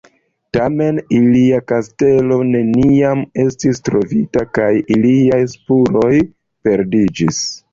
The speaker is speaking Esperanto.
Tamen ilia kastelo neniam estis trovita kaj iliaj spuroj perdiĝis.